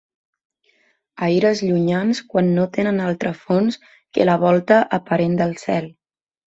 Aires llunyans quan no tenen altre fons que la volta aparent del cel.